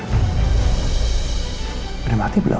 udah mati belum